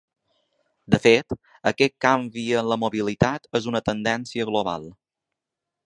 De fet, aquest canvi en la mobilitat és una tendència global.